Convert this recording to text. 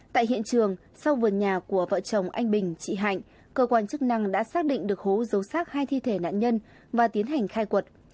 tại hiện trường sau vườn nhà của vợ chồng anh bình chị hạnh cơ quan chức năng đã xác định được hố dấu xác hai thi thể nạn nhân và tiến hành khai quật